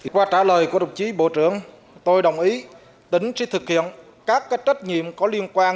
qua trả lời của đồng chí bộ trưởng tôi đồng ý tỉnh sẽ thực hiện các trách nhiệm có liên quan